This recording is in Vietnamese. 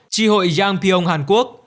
chi hội giang piong hàn quốc